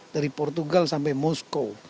dari portugal sampai moskow